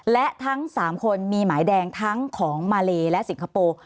และทั้ง๓คนมีหมายแดงทั้งของมาเลและสิงคโปร์